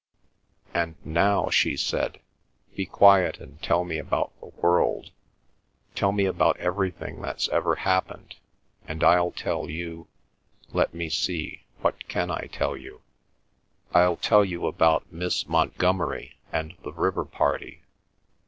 "And now," she said, "be quiet and tell me about the world; tell me about everything that's ever happened, and I'll tell you—let me see, what can I tell you?—I'll tell you about Miss Montgomerie and the river party.